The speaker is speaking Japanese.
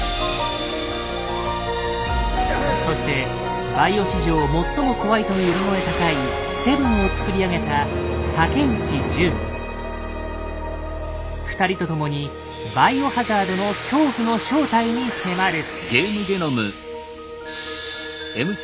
そしてバイオ史上最も怖いと呼び声高い「７」を作り上げた２人と共に「バイオハザード」の恐怖の正体に迫る。